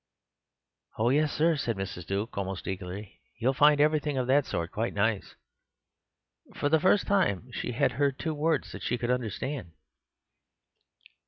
"Oh yes, sir," said Mrs. Duke, almost eagerly. "You will find everything of that sort quite nice." For the first time she had heard two words that she could understand.